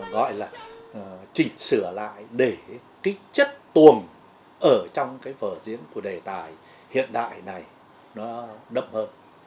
để th día chất tuồng ở trong vở diễn của đề tài hiện đại này sẽ đậm hơn